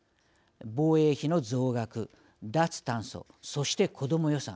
防衛費の増額脱炭素、そして子ども予算。